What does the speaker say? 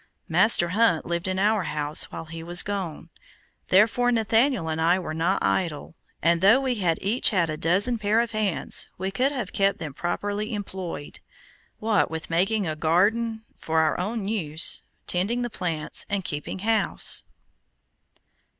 Master Hunt lived in our house, while he was gone, therefore Nathaniel and I were not idle, and though we had each had a dozen pair of hands, we could have kept them properly employed, what with making a garden for our own use, tending the plants, and keeping house.